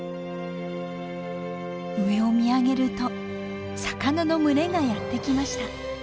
上を見上げると魚の群れがやって来ました。